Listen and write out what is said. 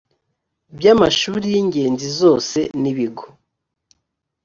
by amashuri y ingenzi zose n ibigo